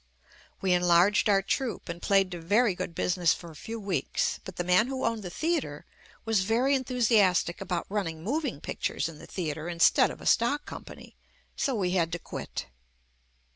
We enlarged our troupe and played to very good business for a few weeks, but the man who owned the theatre was very enthusiastic about running moving pictures in the theatre instead of a stock company, so we had to quit.